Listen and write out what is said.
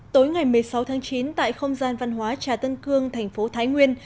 tối ngày một mươi sáu tháng chín tại không gian văn hóa trà tân cương thành phố thái nguyên